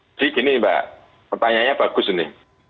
jadi gini mbak pertanyaannya bagus ini